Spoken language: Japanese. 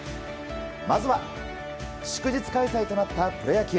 まずは祝日開催となったプロ野球。